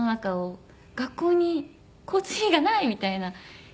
学校に交通費がないみたいな。